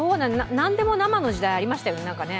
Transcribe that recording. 何でも生の時代ありましたよね。